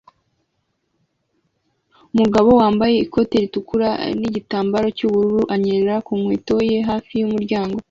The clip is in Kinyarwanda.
Umugabo wambaye ikoti ritukura nigitambara cyubururu anyerera ku nkweto ye hafi yumuryango